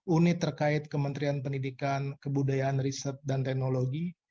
unit terkait kementerian pendidikan kebudayaan riset dan teknologi